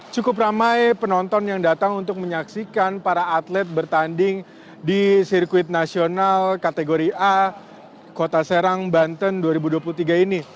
cukup ramai penonton yang datang untuk menyaksikan para atlet bertanding di sirkuit nasional kategori a kota serang banten dua ribu dua puluh tiga ini